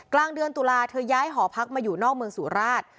กลางเดือนตุลาเธอย้ายหอพักมาอยู่นอกเมืองสุราช